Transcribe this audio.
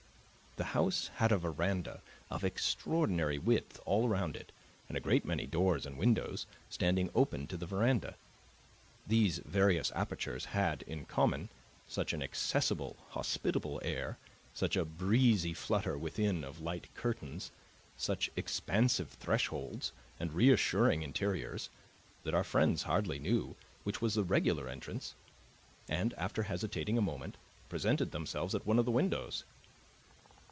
The house had a veranda of extraordinary width all around it and a great many doors and windows standing open to the veranda. These various apertures had, in common, such an accessible, hospitable air, such a breezy flutter within of light curtains, such expansive thresholds and reassuring interiors, that our friends hardly knew which was the regular entrance, and, after hesitating a moment, presented themselves at one of the windows.